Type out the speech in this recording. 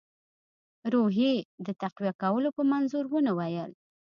روحیې د تقویه کولو په منظور ونه ویل.